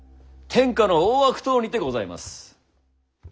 天下の大悪党にてございます！